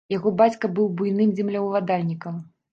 Яго бацька быў буйным землеўладальнікам.